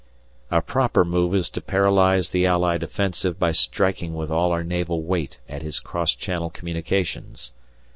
Our proper move is to paralyse the Allied offensive by striking with all our naval weight at his cross channel communications.